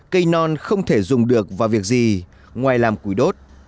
cây non không thể dùng được vào việc gì ngoài làm củi đốt